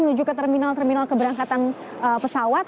menuju ke terminal terminal keberangkatan pesawat